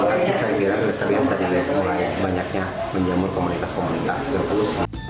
saya kira kita yang terlihat mulai banyaknya menjemur komunitas komunitas